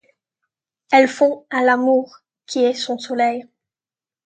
Elle fond à l'amour qui est son soleil.